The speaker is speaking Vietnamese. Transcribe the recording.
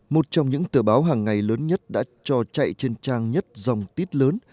một trong những tờ báo hàng ngày lớn nhất đã cho chạy trên trang nhất dòng tít lớn